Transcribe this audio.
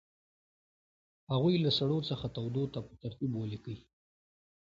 هغوی له سړو څخه تودو ته په ترتیب ولیکئ.